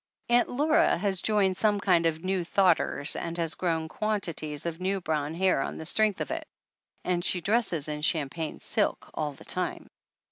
Aunt Laura has joined some kind of New Thoughters and has grown quantities of new brown hair on the strength of it. And she dresses in champagne silk all the time.